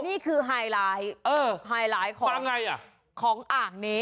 นี่คือไฮไลน์ไฮไลน์ของของอ่างนี้